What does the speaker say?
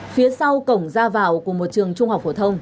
phía sau cổng ra vào của một trường trung học phổ thông